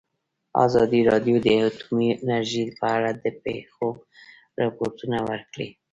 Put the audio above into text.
ازادي راډیو د اټومي انرژي په اړه د پېښو رپوټونه ورکړي.